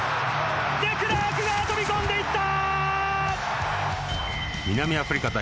デクラークが飛び込んでいった！